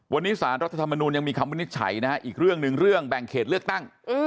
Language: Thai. วันนี้สารรัฐธรรมนูลยังมีคำวินิจฉัยนะฮะอีกเรื่องหนึ่งเรื่องแบ่งเขตเลือกตั้ง